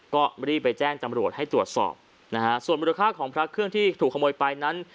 ก็รีบไปแจ้งจำรวจให้ตรวจสอบนะฮะส่วนมูลค่าของพระเครื่องที่ถูกขโมยไปนั้น